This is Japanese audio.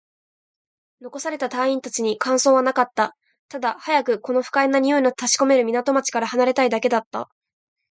残された隊員達に感想はなかった。ただ、早くこの不快な臭いの立ち込める港町から離れたいだけだった。